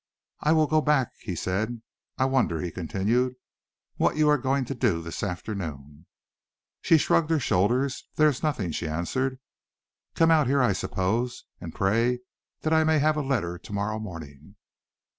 "I will go back," he said. "I wonder," he continued, "what are you going to do this afternoon?" She shrugged her shoulders. "There is nothing," she answered. "Come out here, I suppose, and pray that I may have a letter to morrow morning."